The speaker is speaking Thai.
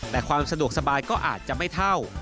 แต่ความสะดวกสบายก็อาจจะไม่เท่า